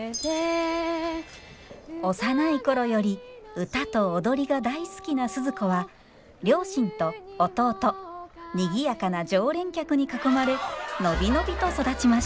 幼い頃より歌と踊りが大好きな鈴子は両親と弟にぎやかな常連客に囲まれ伸び伸びと育ちました。